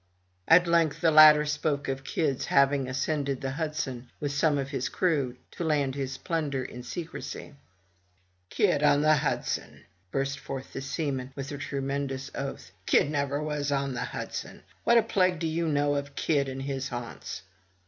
At length the latter spoke of Kidd's having ascended the Hudson with some of his crew to land his plunder in secrecy. *'Kidd up the Hudson!'' burst forth the seaman, with a tre mendous oath. —'' Kidd never was up the Hudson ! What a plague do you know of Kidd and his haunts?"